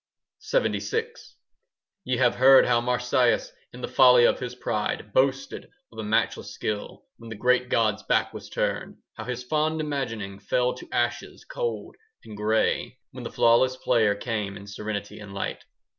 LXXVI Ye have heard how Marsyas, In the folly of his pride, Boasted of a matchless skill,— When the great god's back was turned; How his fond imagining 5 Fell to ashes cold and grey, When the flawless player came In serenity and light.